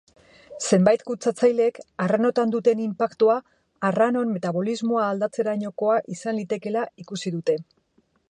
Zenbait kutsatzailek arrainotan duten inpaktua arrainon metabolismoa aldatzerainokoa izan litekeela ikusi dute.